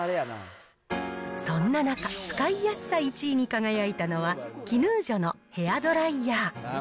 そんな中、使いやすさ１位に輝いたのは、ＫＩＮＵＪＯのヘアドライヤー。